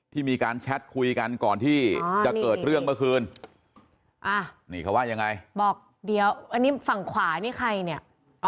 มีการแชทคุยกันก่อนที่จะเกิดเรื่องเมื่อคืนนี่เขาว่ายังไงบอกเดี๋ยวอันนี้ฝั่งขวานี่ใครเนี่ย